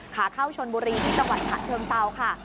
ขาเข้าชนบุรีที่จังหวัดฉะเชิงเซาค่ะ